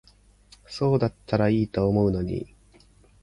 そうだったら良いと思うのに。